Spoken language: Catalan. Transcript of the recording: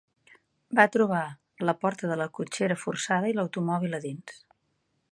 Va trobar la porta de la cotxera forçada i l'automòbil a dins.